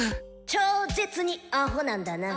超ッ絶にアホなんだな。